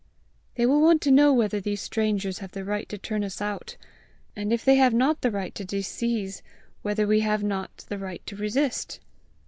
"They will want to know whether these strangers have the right to turn us out; and if they have not the right to disseize, whether we have not the right to resist.